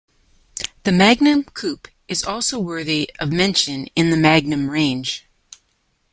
The Magnum coupe is also worthy of mention in the Magnum range.